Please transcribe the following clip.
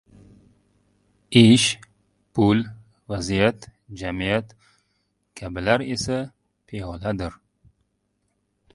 ish, pul, vaziyat, jamiyat kabilar esa – piyoladir.